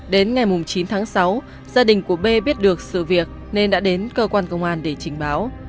đến ngày chín tháng sáu gia đình của b biết được sự việc nên đã đến cơ quan công an để trình báo